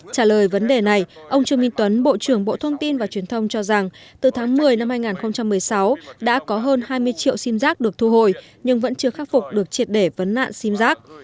trả lời vấn đề này ông trương minh tuấn bộ trưởng bộ thông tin và truyền thông cho rằng từ tháng một mươi năm hai nghìn một mươi sáu đã có hơn hai mươi triệu sim giác được thu hồi nhưng vẫn chưa khắc phục được triệt để vấn nạn sim giác